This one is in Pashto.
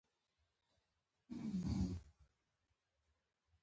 احمد تل په نه خبره له خلکو سره پښې ټینگوي.